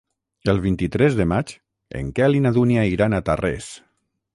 El vint-i-tres de maig en Quel i na Dúnia iran a Tarrés.